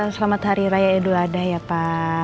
selamat hari raya idul adha ya pak